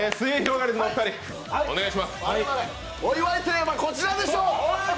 お祝いといえばこちらでしょう。